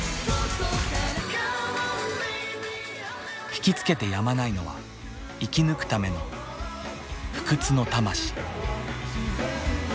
引きつけてやまないのは生き抜くための不屈の魂。